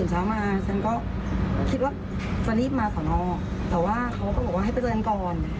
แต่ว่าเขาก็บอกว่าให้ไปเจอกันก่อน